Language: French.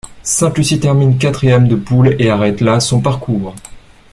Sainte-Lucie termine quatrième de poule et arrête là son parcours.